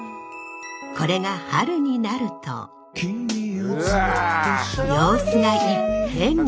これが春になると様子が一変！